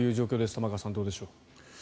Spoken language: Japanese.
玉川さん、どうでしょう？